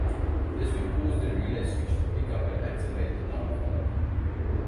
This would cause the relay switch to pick up and activate the dump valve.